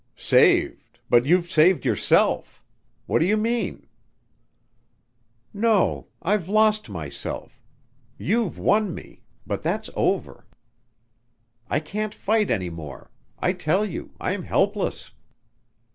"Saved but you've saved yourself. What do you mean?" "No, I've lost myself. You've won me ... but that's over. I can't fight any more.... I tell you I'm helpless."